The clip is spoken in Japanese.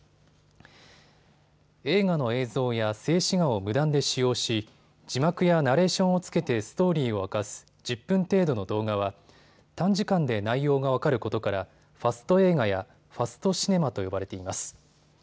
映画の映像や静止画を無断で使用し、字幕やナレーションをつけてストーリーを明かす１０分程度の動画は短時間で内容が分かることからファスト映画やファストシネマと呼ばれています。